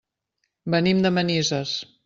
Venim de Manises.